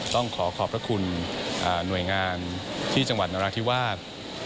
ต้องขอขอบพระคุณหน่วยงานที่จังหวัดนราธิวาส